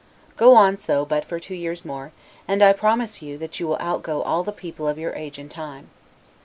Go on so but for two years more, and, I promise you, that you will outgo all the people of your age and time.